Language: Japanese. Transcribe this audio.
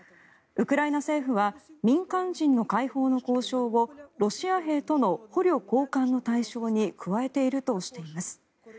ウクライナ政府は民間人の解放の交渉をロシア兵との捕虜交換の対象に加えているとしています。